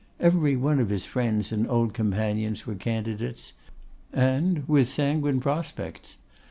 Every one of his friends and old companions were candidates, and with sanguine prospects.